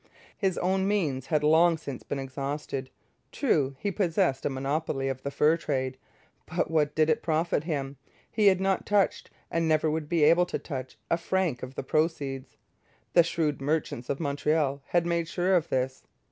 His own means had long since been exhausted. True, he possessed a monopoly of the fur trade, but what did it profit him? He had not touched, and never would be able to touch, a franc of the proceeds: the shrewd merchants of Montreal had made sure of this.